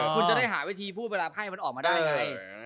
คุณจะได้หาวิธีพูดเวลาไพ่มันออกมาได้ไง